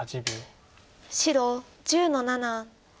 白１０の七。